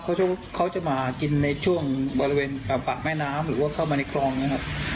เขาจะมากินในช่วงบริเวณปากแม่น้ำหรือว่าเข้ามาในคลองนะครับ